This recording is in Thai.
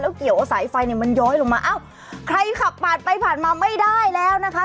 แล้วเกี่ยวว่าสายไฟมันย้อยลงมาอ้าวใครขับปาดไปผ่านมาไม่ได้แล้วนะคะ